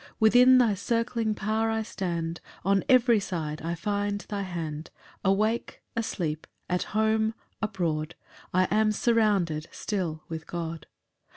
3 Within thy circling power I stand; On every side I find thy hand: Awake, asleep, at home, abroad, I am surrounded still with God.